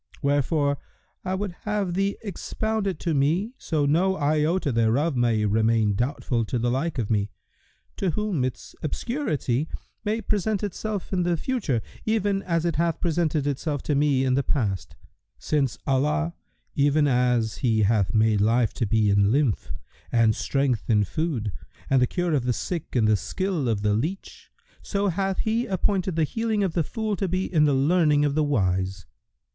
Wherefore I would have thee expound it to me so no iota thereof may remain doubtful to the like of me, to whom its obscurity may present itself in the future, even as it hath presented itself to me in the past; since Allah, even as He hath made life to be in lymph[FN#116] and strength in food and the cure of the sick in the skill of the leach, so hath He appointed the healing of the fool to be in the learning of the wise.